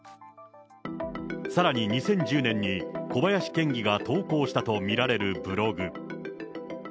さらに２０１０年に小林県議が投稿したと見られるブログ。